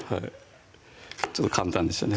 ちょっと簡単でしたね